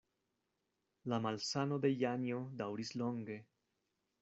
La malsano de Janjo daŭris longe.